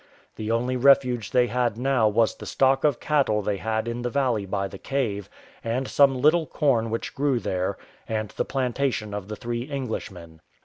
The only refuge they had now was the stock of cattle they had in the valley by the cave, and some little corn which grew there, and the plantation of the three Englishmen.